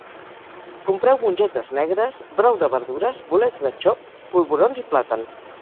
Compreu mongetes negres, brou de verdures, bolets de xop, polvorons i plàtan